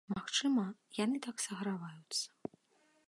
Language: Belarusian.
Магчыма, яны так саграваюцца.